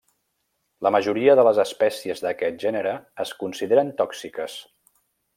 La majoria de les espècies d'aquest gènere es consideren tòxiques.